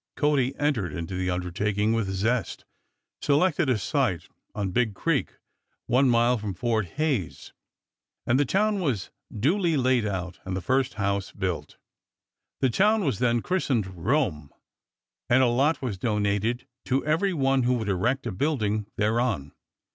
Cody entered into the undertaking with zest, selected a site on Big Creek one mile from Fort Hays, and the town was duly laid out and the first house built. The town was then christened Rome, and a lot was donated to every one who would erect a building thereon.